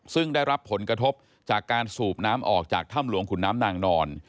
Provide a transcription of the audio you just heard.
ซึ่งได้รับผลกระทบจากการสูบน้ำออกจากถ้ำหลวงขุนน้ำนางนอน